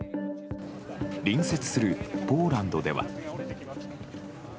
隣接するポーランドでは。